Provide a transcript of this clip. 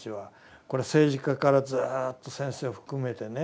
これは政治家からずっと先生を含めてね。